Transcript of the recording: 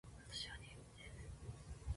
私は妊婦です